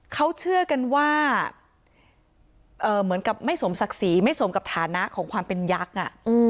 เขาเชื่อกันว่าเหมือนกับไม่สมศักดิ์ศรีไม่สมกับฐานะของความเป็นยักษ์